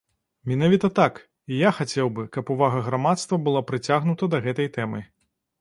Менавіта так, і я хацеў бы, каб увага грамадства была прыцягнута да гэтай тэмы.